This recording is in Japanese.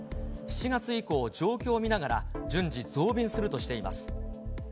７月以降、状況を見ながら順次、増便するとしています。